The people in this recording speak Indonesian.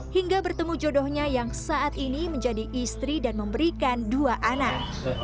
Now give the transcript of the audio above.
hingga bertemu jodohnya yang saat ini menjadi istri dan memberikan dua anak